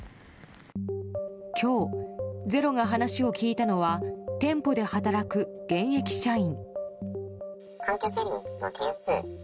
今日、「ｚｅｒｏ」が話を聞いたのは店舗で働く現役社員。